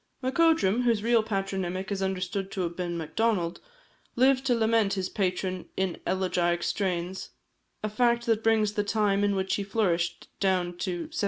Macodrum, whose real patronymic is understood to have been Macdonald, lived to lament his patron in elegiac strains a fact that brings the time in which he flourished down to 1766.